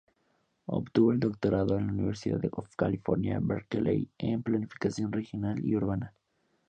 Obtuvo el doctorado en la University of California, Berkeley en planificación regional y urbana.